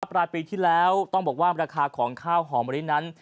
ปลายปีที่แล้วต้องบอกว่าราคาของข้าวหอมมะลินั้น